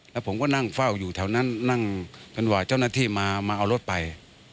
แล้วผมก็นั่งเฝ้าอยู่แถวนั้นนั่งเช่านักที่มาเอารถไป